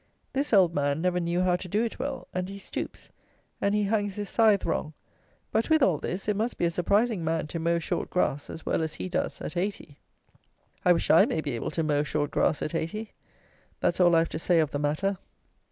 This old man never knew how to do it well, and he stoops, and he hangs his scythe wrong; but, with all this, it must be a surprising man to mow short grass, as well as he does, at eighty. I wish I may be able to mow short grass at eighty! That's all I have to say of the matter.